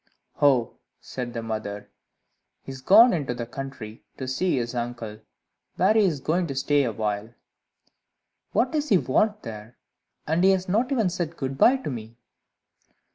"Oh," said the mother, "he is gone into the country, to see his uncle, where he is going to stay awhile." "What does he want there? And he has not even said good bye to me!"